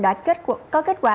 đã có kết quả